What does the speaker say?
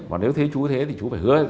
còn nếu thế chú thế thì chú phải hứa